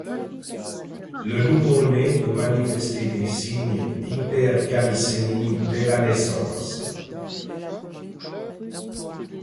Le nouveau-né peut manifester des signes d’hypercalcémies dès la naissance.